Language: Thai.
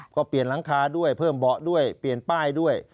ก็เปลี่ยนหลังคาด้วยเพิ่มเบาะด้วยเปลี่ยนป้ายด้วย